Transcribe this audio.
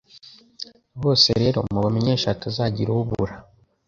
Bose rero mubamenyeshe hatazagira ubura